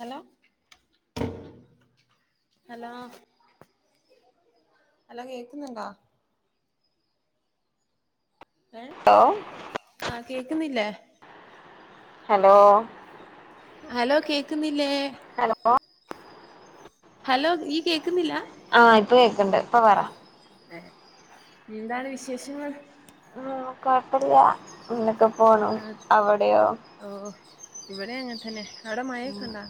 Hello hello hello കേക്കുന്നുണ്ടാ ഏഹ് hello ആഹ് കേക്കുന്നില്ലേ? ഹലോ ഹലോ കേക്കുന്നില്ലേ? ഹലോ ഹലോ നീ കേൾക്കുന്നില്ല ആഹ് ഇപ്പ കേക്കണ്ട് ഇപ്പ പറ ഏഹ് എന്താണ് വിശേഷങ്ങൾ കുഴപ്പല്ല അങ്ങനെക്കോ പോണ് അവിടെയോ? ഓഹ് ഇവിടെ അങ്ങനെ തന്നെ അവിടെ മഴയൊകെ ഉണ്ടോ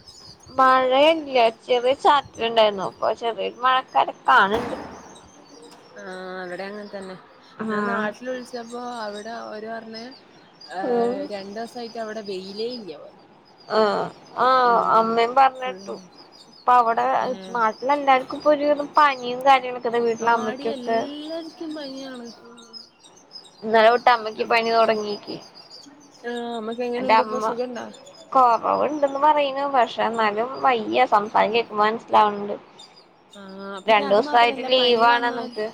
മഴ ഇല്ല ചെറിയ ചാറ്റലുണ്ടായിരുന്നു ഇപ്പൊ ചെറിയൊരു മഴക്കാറ് കാണുണ്ട്. ആ അവിടെ അങ്ങനെ തന്നെ ഞാൻ ആഹ് നാട്ടിൽ വിളിച്ചപ്പോ അവിടെ അവര് പറഞ്ഞ് ഉം രണ്ടു ദിവസായിട്ട് അവിടെ ബെയിലെ ല്ല്യ പറഞ്ഞു ആഹ് ആഹ അമ്മയും പറഞ്ഞട്ടു ഫുള്ള് പ്പ അവിടെ ഏ നാട്ടിൽ ല്ല എല്ലാവർക്ക ഇപ്പോ ഒരു പനിയും കാര്യങ്ങളൊക്ക ആടി എല്ലാർക്കും പനിയാണ്. ഇന്നലെ തൊട്ട് അമ്മയ്ക്ക് പനി തുടങ്ങിയിക്ക് ആഹ് ന്റെ അമ്മ കൊറവുണ്ടന്ന് പറയുന്നു പക്ഷെ എന്നാലും വയ്യ സംസാരം കേക്കുമ്പോൾ മനസ്സിലാവണ്ട്. ആഹ് പിന്നെ അത് മാത്രല്ല പനി ലീവാണ് വന്നാൽ എന്നിട്ട്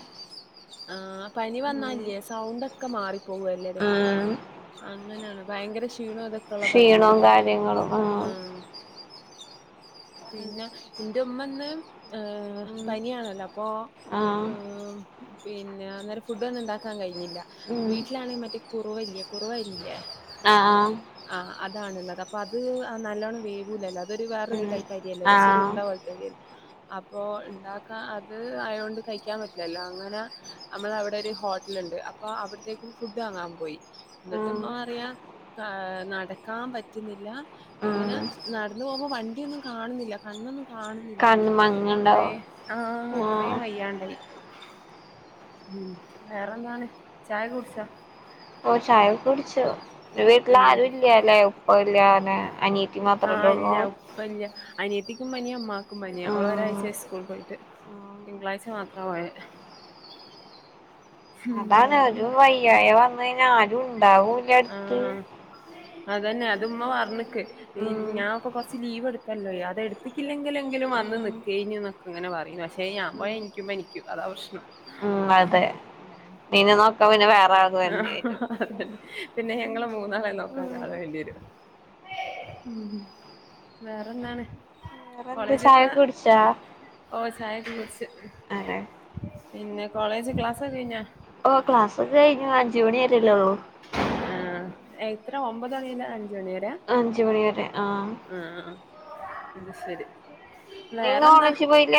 ആഹ് പനി ഉം വന്നാല്ലേ സൗണ്ട് ഒക്കെ മാറി പോവല്ലേല്ലേ ഉം അങ്ങനെയാണ്. ഭയങ്കര ക്ഷീണം അതൊക്കെയുള്ള പനി ക്ഷീണവും വര കാര്യങ്ങളും ആഹ് പിന്നെ എൻ്റെ ഉമ്മന്ന് ഉം പനിയാണല്ലോ അപ്പോൾ ആഹ് ഉം പിന്നെ അന്നേരം ഫുഡ് ഒന്നും ഉണ്ടാക്കാൻ കഴിഞ്ഞില്ല ഉം വീട്ടിലാണെങ്കിൽ മറ്റേ കു കുറവ ഇല്ലേ കുറവ അരി ഇല്ലേ ആഹ് ആഹ് ആ് അതാണുള്ളത് അപ്പൊ അത് നല്ലോണ്ണം വേവൂലല്ലോ അതൊരു വേറൊരു ഉം ടൈപ്പ് അരിയല്ലേ കൊറച്ചോരു ആഹ് ഉണ്ട പോലെ [unintelligible] അപ്പോ ഉണ്ടാക്കാ അത് ആയൊണ്ട് കഴിക്കാൻ പറ്റില്ലല്ലോ അങ്ങനെ നമ്മള അവിടെ ഒരു ഹോട്ടലുണ്ട് അ അപ്പോൾ അവിടത്തേക്ക് ഫുഡ് വാങ്ങാൻ പോയി. ന്നിട്ട് ഉം ഇമ്മ പറയ നടക്കാൻ പറ്റുന്നില്ല. ഉം ഇങ്ങനെ നടന്ന് പോകുമ്പോ വണ്ടിയൊന്നും കാണുന്നില്ല കണ്ണൊന്നും കാണുന്നില്ലന്ന് കണ്ണ് അത്ര മങ്ങണ്ടാവും ആ ആഹ് അത്രയും വയ്യാണ്ടായി. ഉം വേറെന്താണ് ചായ കുടിച്ചോ? ഓഹ് ചായ ഒക്കെ കുടിച്ചു വീട്ടില് ഉം ആരും ഇല്ലല്ലേ ഉപ്പല്ല അനിയത്തി മാത്രല്ലേ ആഹ് ഉള്ളൂ ഇല്ല ഉപ്പ ഇല്ല അനിയത്തിക്കും പനിയ ഉമ്മ ത്തിക്ക് പനി അവള് ആഹ് ഒരാഴ്ച ആയി സ്കൂൾ പോയിട്ട് തിങ്കളാഴ്ച മാത്രം പോയെ. ഉം അതാണ് ഒരു വേറെന്താ വയ്യായ വന്ന് കഴിഞ്ഞ ആരും ഉണ്ടാവൂല. അടുത്ത് ആഹ് അതന്നെ അത് ഉമ്മ പറഞ്ഞിക്ക് ഈ ഉം ഞാ ഇപ്പോ കുറച്ച് ലീവ് എടുത്തല്ലോ അത് എടുത്തിക്കില്ലങ്കിൽ എങ്കിലും വന്ന് ഉം നിക്കാഴിഞ്ഞ് എന്നൊക്കെ അങ്ങനെ പറയും പക്ഷേ ഏഹ് ഞാൻ പോയ എന്യ്ക്കും പനിക്കും അതാ പ്രശ്നം ഉം അതെ പിന്നെ നോക്കാന് പിന്നെ വേറെ ആൾ വരേണ്ടി വരും അതെന്നെ പിന്നെ ഞങ്ങള് മൂന്നാളെ ഉം നോക്കാരാളെ വേണ്ടി വരും ഉം വേറെന്താണ് വേറെന്ത് കോളേജൊക്കെ ചായൊക്കെ കുടിച്ചാ ഓഹ് ചായൊക്കെ കുടിച്ച് അതെ പിന്നെ കോളേജ് ക്ലാസ്ക്കെ കയിഞ്ഞാ ഓ ക്ലാസ് ഒക്ക കയിഞ്ഞു അഞ്ചോണി വരല്ലോള്ളൂ ആഹ് എത്ര ഒമ്പത് മണിമുതൽ അഞ്ച് മണി വരെയാ അഞ്ച് മണിവരെ ആഹ് ആഹ് ആഹ് ശരി നീ ഇന്ന് വേറെന്താ? കോളേജ് പോയില്ല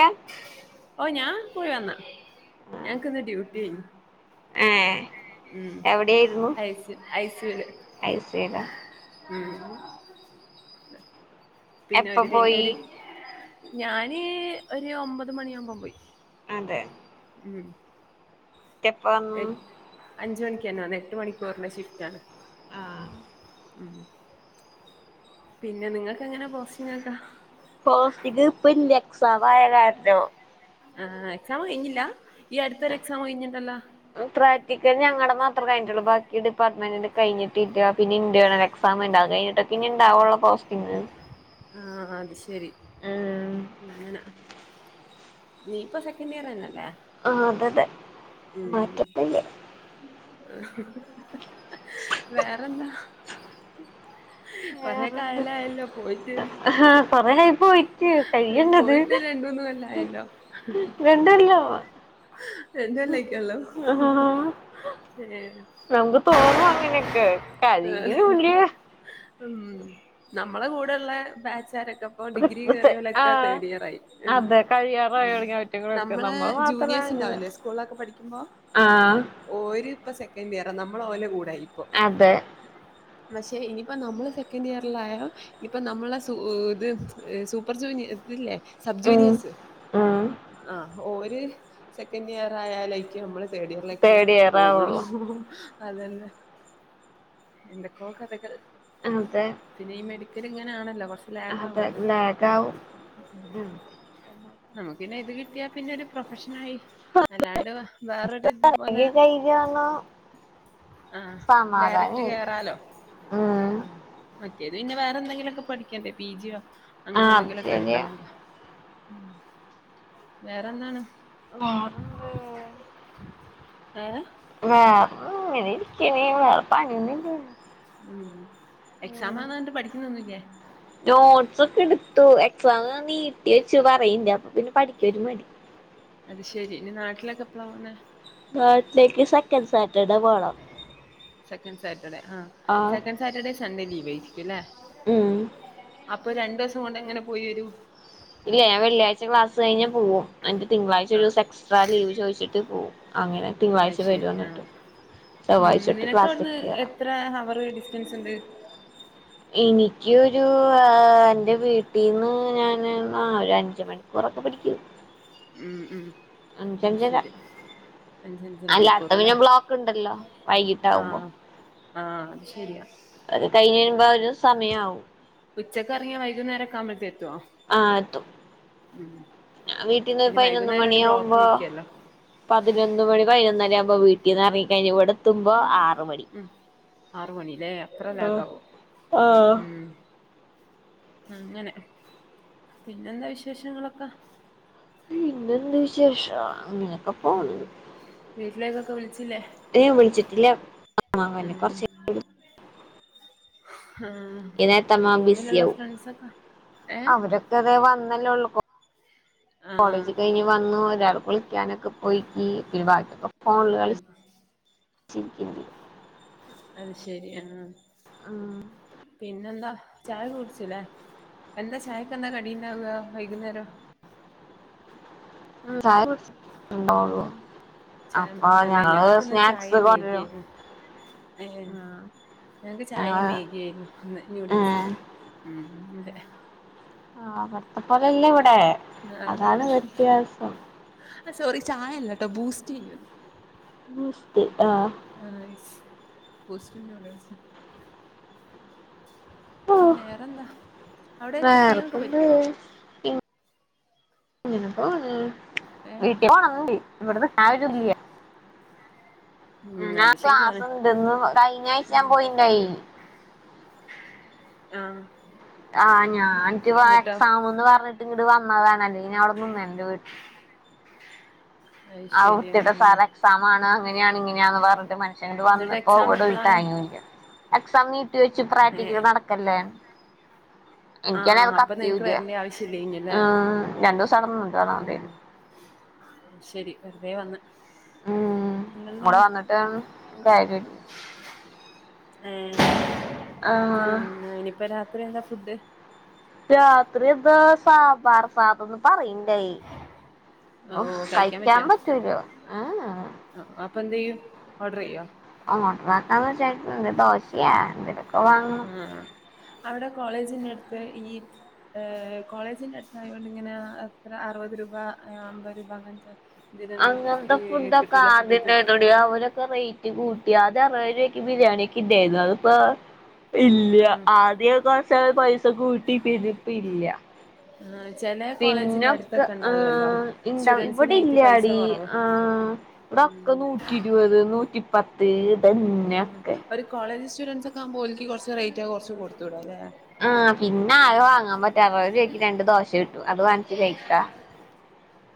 ഓ ഞാ പോയി വന്ന്. ഞങ്ങക്കിന്ന് ഡ്യൂട്ടിയേയ്ന്നു [unintelligible] ഉം എവിടെയായിരുന്നു ഐസ് ഐസീവ്ട് ഐ സി യുലാ ഉം എപ്പ പിന്നരു പോയി പിന്നൊര് ഞാന് ഒരു ഒമ്പത് മണിയാവുമ്പം പോയി അതെ ഉം എപ്പ വന്നു എ അഞ്ച് മണിക്കന്നെ വന്ന് എട്ട് മണിക്കൂറിന്റെ ഷിഫ്റ്റ് ആണ്. ആഹ് ഉം പിന്നെ നിങ്ങക്ക് എങ്ങനെ പോസിങ്ങക്കാ? പോസ്റ്റിങ്ങ്‌ ഇപ്പൊ ഇല്ല എക്സാം ആയ കാരണോ ആഹ് എക്സാം കയിഞ്ഞില്ല ഈ അടുത്തൊരു എക്സാം കയിഞ്ഞിണ്ടല്ലാ പ്രാക്റ്റിക്കല് ഞങ്ങടെ മാത്രെ കയിഞ്ഞിട്ടുള്ളു. ബാക്കി ഡിപ്പാർട്ട്മെന്റിന്റെ കയിഞ്ഞിട്ടില്ല. പിന്നെ ഇന്റേണൽ എക്സ എക്സാം ഇണ്ട് അത് കഴിഞ്ഞിട്ടൊക്ക ഇനി ഇണ്ടാവുള്ളൂ പോസ്റ്റിംങ്. ആഹ് അത് ശരി ഉം അങ്ങനെ നീ ഇപ്പ സെക്കൻഡ് ഇയർ തന്നല്ലേ? ആഹ് അതതെ ഉം മാറ്റംന്നൂല്ല്യ. വേറെന്താ? കൊറെ വേറെന്ത് കാലായല്ലോ പോയിട്ട്. ആഹ് കൊറേയായി പോയിട്ട് കഴിയണ്ടത് പോയി ഇത് രണ്ടൂന്ന് കൊല്ലം ആയല്ലോ രണ്ടല്ല [unintelligible] എന്തല്ലായിക്കല്ലോ ആഹ് [unintelligible] നമുക്ക് തോന്നും അങ്ങനെയൊക്കെ കഴിയൂല്ല്യ ഉം നമ്മളെ കൂടെ ഇള്ള ബാച്ചാരൊക്കെ പ്പൊ ഡിഗ്രി കേറിയൊലൊക്കെ ആഹ് തേർഡ് ഇയർ ആയി ഉം അതെ കഴിയാറായി ഉം തുടങ്ങി അവറ്റങ്ങളൊക്കെ നമ്മളേ നമ്മള് മാത്രാണ് ജൂനിയേഴ്‌സ് ഇങ്ങനെ ണ്ടാവ്‌ല്ലേ സ്കൂൾളൊക്കെ പഠിക്കുമ്പോ? ആഹ് ഉം ഓര് ഇപ്പ സെക്കന്റ് ഇയറാ നമ്മള് ഓലെ കൂടായി ഇപ്പൊ അതെ പക്ഷെ ഇനിയിപ്പ നമ്മള് സെക്കൻഡ് ഇയറിലായാൽ ഇപ്പൊ നമ്മള സൂ--ത് സൂപ്പർ ജൂനിയർ ഇതില്ലേ ഉം സബ്ജൂനിയേഴ്‌സ് ഉം ആഹ് ഓര് സെക്കന്റ് ഇയർ ആയാലായ്ക്കും അമ്മള് തേർഡ് ഇയറിലേക്ക് തേർഡ് ഇയർ പോവൊള്ളൂ ആവുള്ളൂ [unintelligible] അതല്ലേ എന്തൊക്കോ കഥകൾ അതെ പിന്നെ ഈ മെഡിക്കല് ഇങ്ങനാണല്ലാ കൊർച് അതെ ലാഗാവല്ലോ ലാഗാവും [unintelligible] ഉം നമുക്ക്‌ പിന്നെ ഇത് കിട്ടിയാ പിന്നെ ഒരു പ്രൊഫഷൻ ആയി അല്ലാണ്ട് വേറൊരു ഇതുപോലെ കഴിയുമ്പോ ആഹ് ഡയറക്റ്റ് സമാധാനായി കേറാലോ. ഉം ആഹ് മറ്റേത് പിന്നെ വേറെന്തെങ്കിലൊക്കെ പഠിക്കണ്ടേ പിജിയോ അങ്ങനെ ആഹ് അത് എന്തെങ്കിലും ഒക്കെ ശരിയാ എടുക്കണല്ലോ ഉം വേറെന്താണ്? ആഹ് ഏഹ് ഞാന് ഇങ്ങനെ ഇരിക്കണെ വേറെ പണിയൊന്നും ഇല്ലല്ല ഉം എക്സാം ആന്ന് പറഞ്ഞിട്ട് പഠിക്കുന്നൊന്നും ഇല്ലേ നോട്ട്സ് ഒക്കെ എടുത്തു എക്സാം നീട്ടി വെച്ചൂ പറയിണ്ട് അപ്പൊ പിന്നെ പഠിക്ക്യാ ഒര് മടി അത് ശെരി ഇനി നാട്ടിലൊക്കെ എപ്പാളാ പോന്നേ നാട്ടിലേക്ക് സെക്കൻഡ് സാറ്റർഡേ പോണം സെക്കൻഡ് സാറ്റർഡേ ആഹ് സെക്കൻഡ് സാറ്റർഡേയും സൺഡേ ലീവ് ആയി ഉം [unintelligible] അപ്പൊ രണ്ട് ദെവസം കൊണ്ട് എങ്ങനെ പോയി വരും? ഇല്ല ഞാൻ വെള്ളിയാഴ്ച ക്ലാസ് കഴിഞ്ഞ്യാ പോവും എനിക്ക് തിങ്കളാഴ്ച ഒര് ആഹ് സാസ് ട്രാ ലീവ് ചോദിച്ചിട്ട് പോവും അങ്ങനെ തിങ്കളാഴ്ച വരും അയ്ശെരി ആ എന്നിട്ട് ഉം ചൊവ്വാഴ്ച തൊട്ട് നിനക്ക് അവ്ടന്ന് ക്ലാസ്സിലേക്ക് എ കേറാം ത്ര ഹവറ് ഡിസ്റ്റൻസ് ഇണ്ട് എനിക്ക് ഒരു ആ എൻ്റെ വീട്ടിന്ന് ഞാൻ അന്നാ ഒര് അഞ്ച് മണിക്കൂറൊക്കെ പടിക്കൂം ഉം ഉം അയ് ശെരി അഞ്ച് അഞ്ചാരാ അല്ലാത്ത മണിക്കൂറല്ലേ പിന്നെ ബ്ലോക്ക് ഉണ്ടല്ലോ വൈകിട്ടാവുമ്പോ ആഹ് ആഹ് അത് ശെരിയാ അത് കയിഞ്ഞ് വെരുമ്പോ ആ ഒര് സമയാവും ഉച്ചക്ക് എറങ്ങിയാ വൈകുന്നേരം ഒക്കെ ആവുമ്പോഴത്തെ എത്തുവ്യാ ആ എത്തും വീട്ടിന്ന് പിന്നെ പൈനൊന്ന് വൈകുന്നേരം മണി ഒരു ബ്ലോക്ക് ആവുമ്പോ ആയിരിക്കുവല്ലോ പതിനൊന്ന് മണി പൈനൊന്നര ആവുമ്പോ വീട്ടിന്ന് എറങ്ങി കഴിഞ്ഞാ ഇവടെ എത്തുമ്പോ ആറ് മണി ഉം ആറ് മണി ലേ അത്ര ആഹ് ലേഖാവും ആഹ് ഉം അങ്ങനെ പിന്നെന്താ വിശേഷങ്ങളൊക്കെ പിന്നെ എന്ത് വിശേഷം അങ്ങനെ ഉം വീട്ടിലേക്കൊക്കെ വിളിച്ചില്ലേ ഏയ് വിളിച്ചിട്ടില്ല ആഹ് ഇനി കൊറച്ച് കഴി ആഹ് ഈ നേരത്തമ്മ റോമിലോള്ള ബിസിയാവും ഫ്രണ്ട്സിനോക്കെ യെ [unintelligible] വന്നല്ലേ ഒള്ളൂ ആ കോളേജ് കഴിഞ്ഞ് വന്ന് ഒരാള് കുളിക്കാനൊക്കെ [unintelligible] പിന്നെ ബാക്കി ഒക്കെ ഫോണിൽ അത് കളിച്ച് ഇരിക്കണ്ട് അത് ശെരി ആഹ് ആഹ് പിന്നെന്താ ചായ കുടിച്ചില്ലേ എന്താ ചായക്കന്താ കടി ഇണ്ടാവ്യാ വൈകുന്നേരം ചായ കുടിച്ച ഇണ്ടാവുള്ള്യാ ചായ മാത്രല്ലേ ഞങ്ങൾക്ക് ഇന്ന് ചായേ മാഗി കൊണ്ടുവരും ആയിരുന്ന് ഉം ഞങ്ങക്ക് ചായേ ഞങ്ങള് മേഗിയായിരുന്നു ഇന്ന് ന്യുഡിൽസ് ഏഹ് ഉം അതെ ആഹ് അവടത്തെ പോലല്ല ഇവടെ അതാണ് വ്യത്യാസം ആഹ് സോറി ചായല്ല കേട്ടോ ബൂസ്റ്റ് [unintelligible] ബൂസ്റ്റ്‌ ആഹ് ആഹ് കയിച്ച് ബൂസ്റ്റും ന്യൂഡിൽസും വേറെന്താ അവടെ കുക്കിംങ് ഒക്കെ വേറെപ്പെന്ത് പറ്റോ ഏ [unintelligible] ഉം ഞാന അത് ശരിയാണ് ക്ലാസ് ണ്ടെന്ന് കഴിഞ്ഞ്യാഴ്ച ഞാൻ പോയിണ്ടായി ആഹ് ആഹ് ഞാന് ന്നിട്ട് എക്സാം ന്ന് പറഞ്ഞിട്ട് ഇങ്ങണ്ട് വന്നതാണ് അല്ലെ ഞാൻ അവടെ നിന്നേനേ എൻ്റെ വീട്ട അത് ആഹ് ശരിയാ വൃത്തികെട്ടാ സാർ എക്സാം ആണ് അങ്ങനെയാണ് ഇങ്ങനെയന്ന് പറഞ്ഞിട്ട് മനുഷ്യൻ ഇങ്ങോട്ട് എന്നിട്ട് വന്നപ്പോ എക്സാം ഇവടെ എപ്പളാണ് തേങ്ങയും ഇല്ല [inaudible] എക്സാം നീട്ടി വെച്ച് ഏ പ്രാക്ടിക്കാൽ നടക്കല്ലേ ആ എനിക്കാണെ അത് അപ്പൊ കത്തിയും നിങ്ങക്ക് ഇല്ല്യാ വരേണ്ട ആവശ്യമില്ല ഇനില്ലേ ഉം രണ്ട് ദൂസം അവടെ നിന്നട്ട് വന്നാ മതിയാരുന്ന് ശെരി വെറുതെ വന്ന് ഉം ഇവടെ പിന്നെന്താണ് വന്നിട്ട് കാര്യയില്ലാ ഏഹ് പിന്നെ ഇനിപ്പ രാത്രി എന്താ ഫുഡ്? രാത്രി ന്ന് സാമ്പാർ. [unintelligible] തൊന്ന് പറയിണ്ടായി. കഴിക്കാൻ പറ്റൂല്ല. ങ്‌ഹ. ആ അപ്പം എന്ത് ചെയ്യും? ഓർഡർ ചെയ്യോ? [unintelligible] ദോശയാ [unintelligible] ആഹ് ആ അവിടെ കോളേജിന്റെടുത്ത് ഈ, ഏഹ് കോളേജിന്റെ അടുത്ത ആയോണ്ട്, ഇങ്ങനെ എത്ര അറുപത് രൂപ അമ്പത് രൂപ അങ്ങനെത്തെ. അങ്ങൻത്ത ഫുഡൊക്കെ ആദ്യന്നെ കിട്ടൂല ഇടൊടി അവര്. ക്കെ റെയ്റ്റ് കൂട്ടി ആദ്യ അറുവ രൂപക്ക് ബിരിയാണി കിദ്ധേന്നു അത്പ്പോ. ഇല്ല്യ ആഹ് ആദ്യ കൊർച്ച പൈസ കൂട്ടി പിന്നെപ്പൊ ഇല്ല്യ. ആഹ് ചെല കോളേജിന്റെ പിന്നൊക്കെ അടുത്തൊക്കെ ഉണ്ടാകുവല്ലോ ആഹ് ഇണ്ടാ ഇവിടെ സ്റ്റുഡൻസിനായിട്ട് പൈസ ഇല്ലാടി കൊറവ് ആഹ്. ഇവടൊക്കെ ഉം നൂറ്റി ഇരുപത് നൂറ്റിപ്പത്ത് ഇതന്നെ. ആഹ് ഒരു കോളേജ് സ്റ്റുഡന്റ്സ ഒക്കെ ആകുമ്പോ, ഓല്ക്ക് കുറച്ച് റേറ്റ് ക്ക കുറച്ച് കൊടുത്തൂട അല്ലേ? ആ പിന്നെ ആകെ വാങ്ങാൻ പറ്റാ. അറുപതു രൂപയ്ക്കു രണ്ട് ദോശ കിട്ടു. അത് വങ്ങിച്ച് കഴിക്കാ.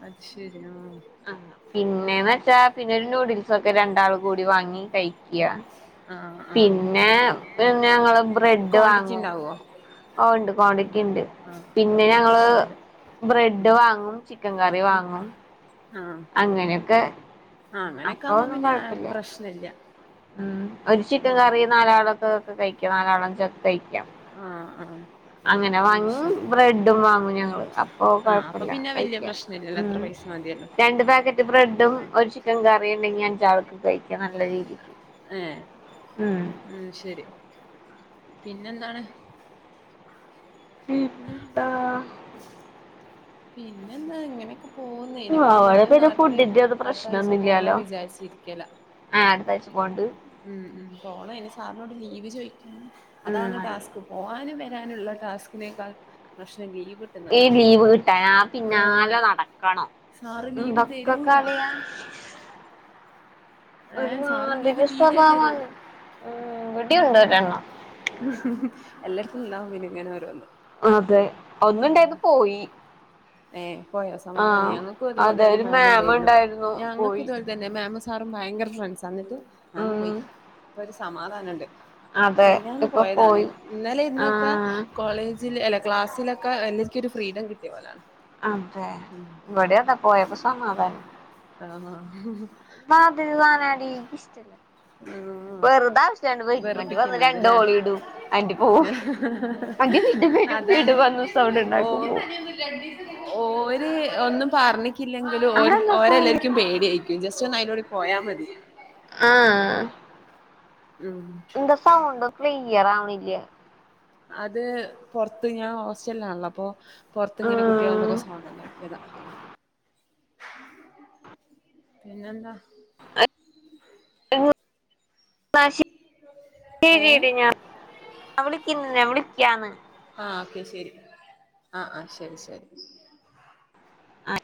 അത് ശരി. ആഹ്. ആഹ് പിന്നേന്ന ച്ചാ പിന്നൊരു നൂഡിൽസൊക്കെ രണ്ടാളു കൂടി വാങ്ങി കഴിക്ക്യ. ആഹ് പിന്നെ പ് ഞങ്ങള്, കോൺണ്ടിച്ചിണ്ടാവോ? ഓ ഉണ്ട് ക്വാണ്ടിറ്റിയിണ്ട് പിന്നെ ഞങ്ങള്. ബ്രെഡ് ഉം വാങ്ങും. ചിക്കൻ കറി ഉം വാങ്ങും. ആഹ് അങ്ങനെയൊക്കെ ആ അങ്ങനെയൊക്കെ അപ്പൊ ആകുമ്പോ ഒന്നും പിന്നെ കൊഴപ്പില്ല പ്രശ്നമില്ല. ഉം. ഒരു ചിക്കൻ കറി നാലാളക്ക കഴിക്ക. നാലാളം ച ആഹ് ആഹ്. അങ്ങനെ അത് വാങ്ങി. ശരി ബ്രെഡും വാങ്ങും ഞങ്ങള്. അപ്പൊ ആഹ് അപ്പൊ കൊഴപ്പില്ല പിന്നെ വല്യ കഴിക്ക. പ്രശ്നല്ലല്ലോ അത്ര ഉം. പൈസ മതിയല്ലോ രണ്ട് പാക്കറ്റ് ബ്രെഡും ഒരു ചിക്കൻ കറിണ്ടെങ്കി അഞ്ചാൾക്ക് കഴിക്ക നല്ല രീതിക്ക്. ഏഹ് ഉം. ഉം ശരി. പിന്നെന്താണ്? ഉം പിന്നെന്താ ഇങ്ങനെ. പ്പ പോന്നേനി ഇനിപ്പോ അവിടെ ഞാനും പിന്നെ നാട്ട്ല് ഫുഡിന്റെ ഒന്നും അട്ത്തഴ്ച പോണ വിചാരിച്ചിരിക്കല. ആഹ് അടുത്താഴ്ച പോണ്ട്. ഉം ഉം പോണം. ഇനി സാറിനോട് ലീവ് ചോദിക്കാന്ന്. ഉം അതാണ് ആയി ടാസ്ക്. ഓന് വരാനുള്ള ടാസ്കിനേക്കാൾ പ്രശ്നം ലീവ് ട്ടുന്നതാ ട്ടയാ പിന്നാല നടക്കണ സാറ് ലീവ് ന്തൊക്കെ തരൂല കളിയാ. ഒരു ഏഹ് സാറ് ലീവ് മാതിരി തീരെ സ്വഭാവമാണ്. തരൂല ഇവിടിയുണ്ട് ഒരെണ്ണം. എല്ലാടുത്തും ഇണ്ടാവും പിന്നെ ഇങ്ങനെ ഓരോന്ന്. അതെ ഒന്നുണ്ടായത് പോയി. ഏഹ് പോയാ ആ സമാധാനായി ഞങ്ങക്കു ഇതുപോലെ അതെ ഒരു മാമ് മാം ണ്ടേര്ന്നു ഉണ്ടായിരുന്നു ഞങ്ങക് തു പോയി പോൽ അ തന്നെ മാം സാറും ഭയങ്കര ഫ്രണ്ട്സ. എന്നിട്ട് മാം പോയി. ഉം ഇപ്പൊ ഒരു സമാധാനംണ്ട്. അതെ മെഞ്ഞാന്ന് ഇപ്പൊ പോയതാണ് പോയി ഇന്നലെ ആ ഇന്നൊക്ക കോളേജ്. [unintelligible] ക്ലാസിലൊക്കെ എനിക്കൊരു ഒരു ഫ്രീഡം കിട്ടിയ പോലാ. അതെ. ഇവിടെ അതേ പോയപ്പോ സമാധാനം. ആഹ് ആം. വാതിൽ വാനാടി കിഷ്ടല്ല. ആഹ് വെറുത ആവിശ്യല്ലാണ്ട് വരും. [unintelligible] വന്ന് രണ്ട് വെറുപ്പിക്കുന്നതല്ലേ ഓളി ഇടും. [unintelligible] പോവും. [unintelligible] വരും അതാണ് വീണ്ടും വന്നു സൗണ്ട് ഓ ണ്ടാക്കും പോകും. ഓര് ഒന്നും പറഞ്ഞിക്കില്ലെങ്കിലും, അവിടെ എന്താ സൗണ്ട് ഓരെല്ലർക്കും പേടിയായി. കി ജസ്റ്റ് ഒന്ന് അയ്ലുടി പോയാ മതി. ആഹ് ആഹ്. ഉം ന്ത സൗണ്ട് ക്ലിയ്യറാവ്ണില്യ അത് പൊർത്ത് ഞാൻ ഹോസ്റ്റലിലാണല്ലോ അപ്പൊ പൊർത്ത്ങ്ങനെ ആഹ് കുട്ടിയളെഎന്തൊക്കോ സൗണ്ട്ണ്ടാക്കിയതാ പിന്നെന്താ അഅ് ഏഹ് ശരി ഞാൻളിക്ക വിളിക്കാന്ന് [inaudible] ആ അക്ക് ശെരി ആഅ്ശെരി ശെരി ആയ്